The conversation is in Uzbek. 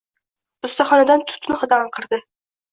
Ustaxonadan tutun hidi anqirdi.